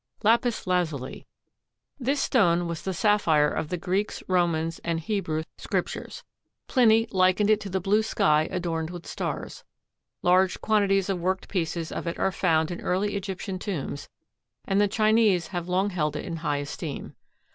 LAPIS LAZULI. This stone was the sapphire of the Greeks, Romans and Hebrew Scriptures. Pliny likened it to the blue sky adorned with stars. Large quantities of worked pieces of it are found in early Egyptian tombs, and the Chinese have long held it in high esteem.